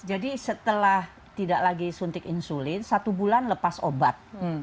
jadi setelah tidak lagi suntik insulin satu bulan lepas obat